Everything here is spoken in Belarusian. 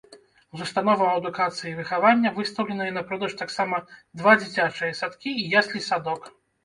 З установаў адукацыі і выхавання выстаўленыя на продаж таксама два дзіцячыя садкі і яслі-садок.